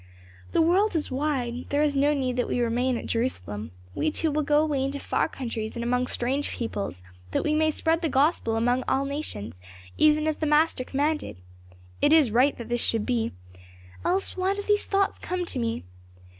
The world is wide, there is no need that we remain at Jerusalem. We two will go away into far countries and among strange peoples, that we may spread the Gospel among all nations, even as the Master commanded. It is right that this should be, else why do these thoughts come to me.